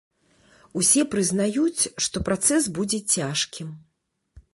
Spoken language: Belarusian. Усе прызнаюць, што працэс будзе цяжкім.